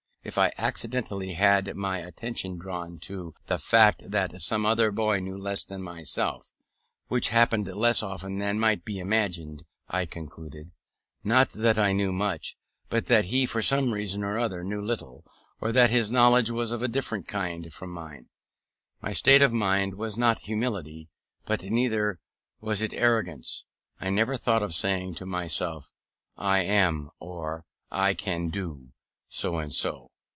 If I accidentally had my attention drawn to the fact that some other boy knew less than myself which happened less often than might be imagined I concluded, not that I knew much, but that he, for some reason or other, knew little, or that his knowledge was of a different kind from mine. My state of mind was not humility, but neither was it arrogance. I never thought of saying to myself, I am, or I can do, so and so.